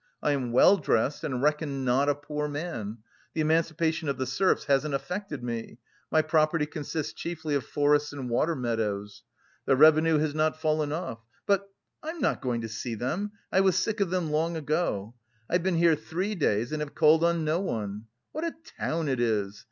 I am well dressed and reckoned not a poor man; the emancipation of the serfs hasn't affected me; my property consists chiefly of forests and water meadows. The revenue has not fallen off; but... I am not going to see them, I was sick of them long ago. I've been here three days and have called on no one.... What a town it is!